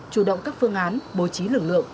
chủ động các phương án bố trí lực lượng